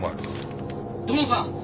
土門さん